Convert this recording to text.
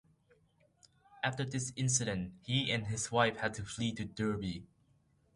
After this incident, he and his wife had to flee to Derby.